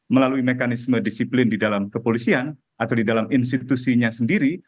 melalui mekanisme disiplin di dalam kepolisian atau di dalam institusinya sendiri